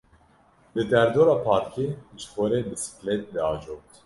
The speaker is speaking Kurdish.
Li derdora parkê ji xwe re bisiklêt diajot.